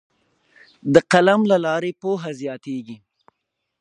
د قلم له لارې پوهه زیاتیږي.